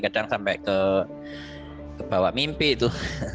kadang sampai ke bawa mimpi itu